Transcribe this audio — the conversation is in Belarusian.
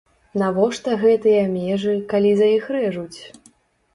Навошта гэтыя межы, калі за іх рэжуць?